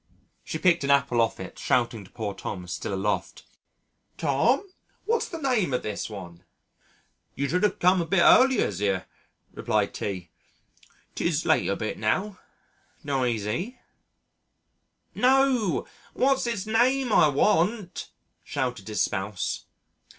She picked an apple off it shouting to poor Tom still aloft, "Tom what's the name of this one?" "You should come a bit earlier, zir," replied T. "'Tis late a bit now doan't 'ee zee?" "No what's its name I want," shouted his spouse.